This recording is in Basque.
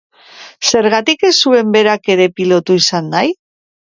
Zergatik ez zuen berak ere pilotu izan nahi?